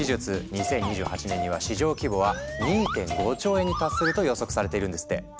２０２８年には市場規模は２．５兆円に達すると予測されているんですって。